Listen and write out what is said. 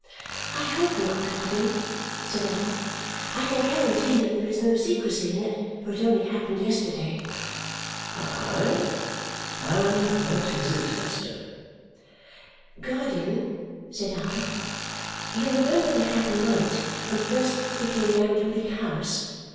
"I hope not, guardian," said I. "I can guarantee that there is no secrecy in it. For it only happened yesterday." "Aye? And what is it, Esther?" "Guardian," said I, "you remember the happy night when first we came down to Bleak House?